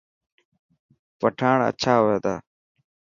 پٺاڻ اڇا هوئي تا.